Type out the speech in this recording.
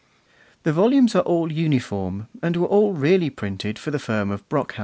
The volumes are all uniform, and were all really printed for the firm of Brockhaus.